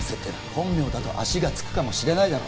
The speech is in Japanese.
本名だと足がつくかもしれないだろ